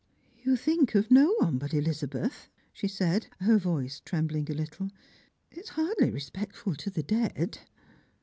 " You think of no one but Elizabeth," she said, her voice trembling a little. "It is hardly respectful to the dead."